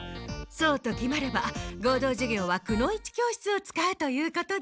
そうと決まれば合同授業はくの一教室を使うということで。